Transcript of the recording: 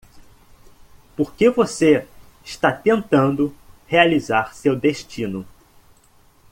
Porque você está tentando realizar seu destino.